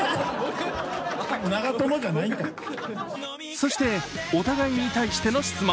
そして、お互いに対しての質問。